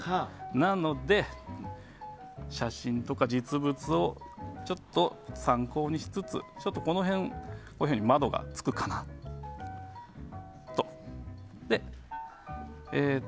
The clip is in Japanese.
なので、写真とか実物をちょっと参考にしつつこの辺に窓がつくかなと。